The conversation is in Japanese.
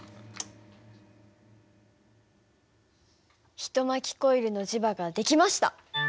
一巻きコイルの磁場が出来ました。